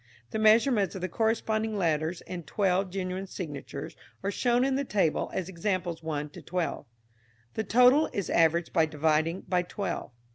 The measurements of the corresponding letters in twelve genuine signatures are shown in the table as Examples 1 to 12. The total is averaged by dividing by twelve.